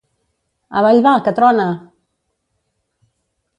Avall va, que trona!